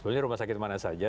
sebenarnya rumah sakit mana saja